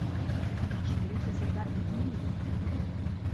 Er spielte sogar in Indien.